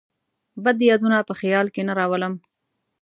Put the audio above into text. بد یادونه په خیال کې نه راولم.